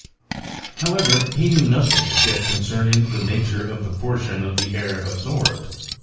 However, he knew nothing as yet concerning the nature of the portion of air absorbed.